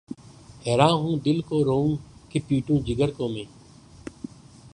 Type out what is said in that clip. حیراں ہوں‘ دل کو روؤں کہ‘ پیٹوں جگر کو میں